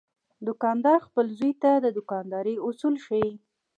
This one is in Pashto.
دوکاندار خپل زوی ته د دوکاندارۍ اصول ښيي.